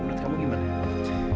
menurut kamu gimana